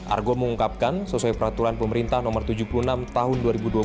argo mengungkapkan sesuai peraturan pemerintah nomor tujuh puluh enam tahun dua ribu dua puluh